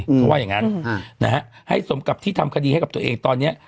เขาว่าอย่างนั้นให้สมกับที่ทำคดีให้กับตัวเองตอนนี้